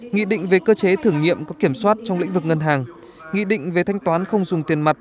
nghị định về cơ chế thử nghiệm có kiểm soát trong lĩnh vực ngân hàng nghị định về thanh toán không dùng tiền mặt